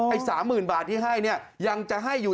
ไอ้๓๐๐๐๐บาทที่ให้ยังจะให้อยู่